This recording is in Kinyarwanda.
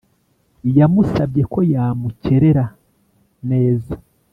yamusabye ko yamukerera neza